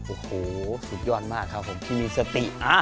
โอ้โหสุดยอดมากครับผมที่มีสติ